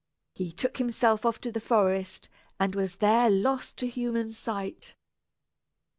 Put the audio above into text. He took himself off to the forest, and was there lost to human sight.